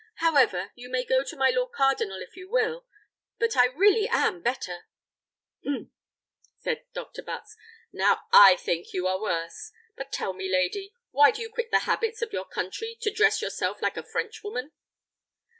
However, you may go to my lord cardinal if you will; but I really am better." "Umph!" said Dr. Butts; "now I think you are worse. But tell me, lady, why do you quit the habits of your country, to dress yourself like a Frenchwoman?"